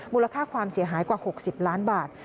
มูลค่าความเสียหายกว่า๖๐ล้านบาท